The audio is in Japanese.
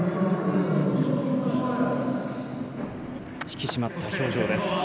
引き締まった表情です。